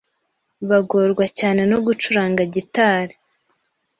bagorwa cyane no gucuranga gitari